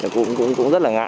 cũng rất là ngại